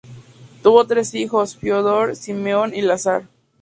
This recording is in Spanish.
Tuvo tres hijos: Fiódor, Simeón y Lazar.